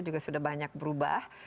juga sudah banyak berubah